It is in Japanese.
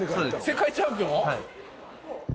世界チャンピオン！？